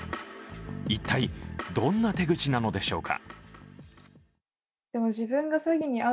一体、どんな手口なのでしょうか。